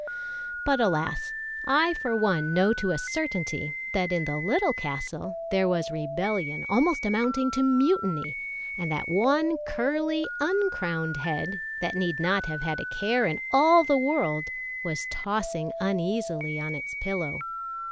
But alas! I for one know to a Certainty that in the little castle there was rebellion almost amounting to mutiny, and that one curly, uncrowned head, that need not have had a care in all the world, was tossing uneasily on its pillow.